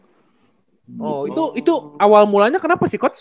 oh itu awal mulanya kenapa sih coach